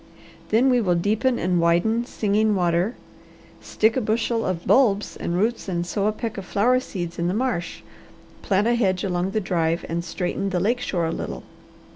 Then we will deepen and widen Singing Water, stick a bushel of bulbs and roots and sow a peck of flower seeds in the marsh, plant a hedge along the drive, and straighten the lake shore a little.